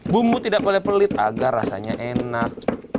bumbu tidak boleh pelit agar rasanya enak